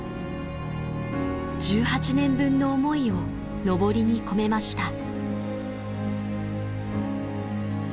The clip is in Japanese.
１８年分の思いをのぼりに込めました。